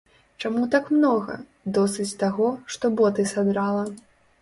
Чаму так многа, досыць таго, што боты садрала.